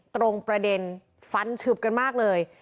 ตรงประเด็นฟันฉึบกันมากเลย